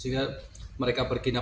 sehingga mereka berkina